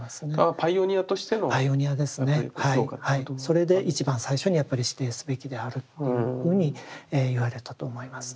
それで一番最初にやっぱり指定すべきであるというふうに言われたと思いますね。